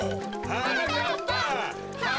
はなかっぱ！